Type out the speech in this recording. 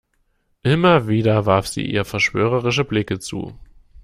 Immer wieder warf sie ihr verschwörerische Blicke zu.